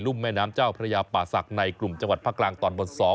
ุ่มแม่น้ำเจ้าพระยาป่าศักดิ์ในกลุ่มจังหวัดภาคกลางตอนบน๒